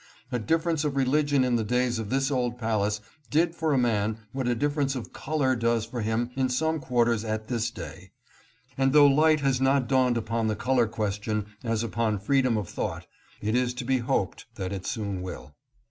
A difference of religion in the days of this old palace did for a man what a differ ence of color does for him in some quarters at this day ; and though light has not dawned upon the color ques tion as upon freedom of thought, it is to be hoped that it soon will.